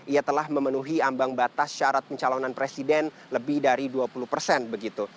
ia telah memenuhi ambang batas syarat pencalonan presiden lebih dari dua puluh persen begitu